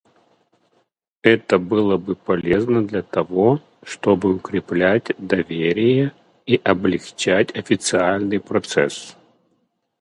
Это было бы полезно для того, чтобы укреплять доверие и облегчать официальный процесс.